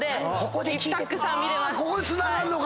ここにつながんのか。